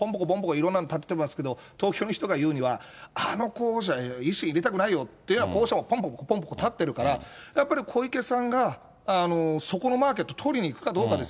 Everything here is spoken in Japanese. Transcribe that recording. いろんなところ立ててますけど、東京の人が言うには、あの候補者、維新入れたくないよって言えば、候補者もぽんぽこぽんぽこ立っているから、やっぱり小池さんがそこのマーケット取りにいくかどうかです。